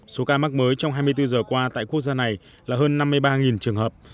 số ca mắc mới trong hai mươi bốn giờ qua tại quốc gia này là hơn năm mươi ba trường hợp